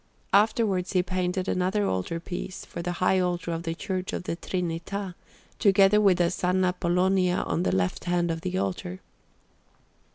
Afterwards he painted another altar piece for the high altar of the Church of the Trinità, together with a S. Apollonia on the left hand of that altar.